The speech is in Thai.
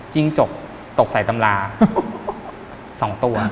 จิ้งจกตกใส่ตำรา๒ตัว